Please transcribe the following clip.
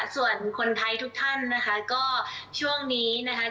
ส่วนคนไทยทุกท่านนะคะก็ช่วงนี้นะคะ